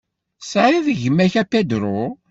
Tesɛiḍ gma-k a Pedro?